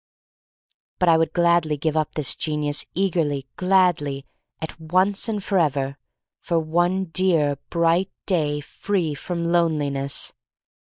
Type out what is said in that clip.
But I would give up this genius eagerly, gladly — at once and forever — for one dear, bright day free from loneliness.